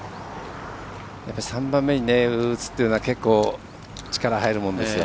３番目に打つというのは力が入るものですよ。